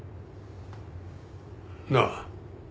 なあ。